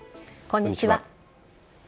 こんにちは。